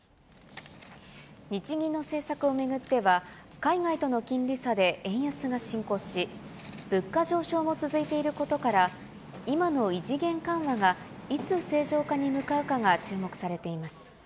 日銀の政策を巡っては、海外との金利差で円安が進行し、物価上昇も続いていることから、今の異次元緩和がいつ正常化に向かうかが注目されています。